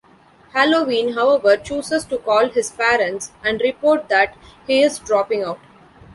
Halloween, however, chooses to call his parents and report that he is dropping out.